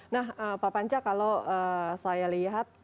nah pak panca kalau saya lihat